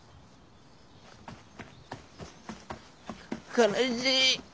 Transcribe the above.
悲しい。